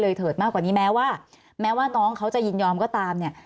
เถิดมากกว่านี้แม้ว่าแม้ว่าน้องเขาจะยินยอมก็ตามเนี่ย